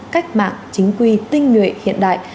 cách mạng chính quy tinh nguyện hiện đại